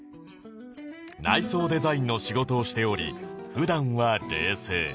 内装デザインの仕事をしており普段は冷静